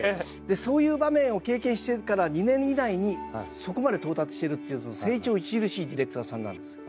そういう場面を経験しているから２年以内にそこまで到達してるっていう成長著しいディレクターさんなんです。